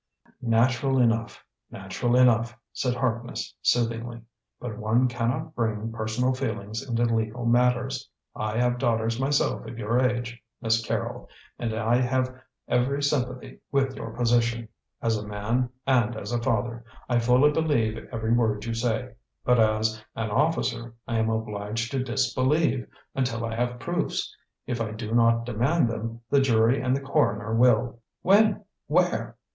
"Natural enough; natural enough," said Harkness soothingly; "but one cannot bring personal feelings into legal matters. I have daughters myself of your age, Miss Carrol, and I have every sympathy with your position. As a man and a father, I fully believe every word you say; but as an officer, I am obliged to disbelieve until I have proofs. If I do not demand them, the jury and the coroner will." "When? Where?"